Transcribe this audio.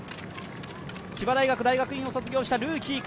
千葉大学の大学院を卒業したルーキーか。